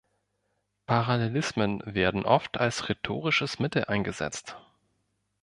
Parallelismen werden oft als rhetorisches Mittel eingesetzt.